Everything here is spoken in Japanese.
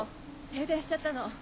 停電しちゃったの。